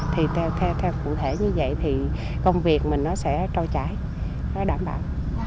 thì theo cụ thể như vậy thì công việc mình nó sẽ trôi chảy nó đảm bảo